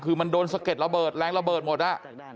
คือมันโดนสะเก็ดระเบิดแรงระเบิดหมดอ่ะ